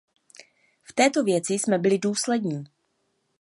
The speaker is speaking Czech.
V této věci jsme byli důslední.